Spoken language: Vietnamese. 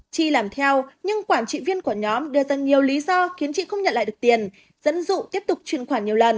chi làm theo nhưng quản trị viên của nhóm đưa ra nhiều lý do khiến chị không nhận lại được tiền dẫn dụ tiếp tục truyền khoản nhiều lần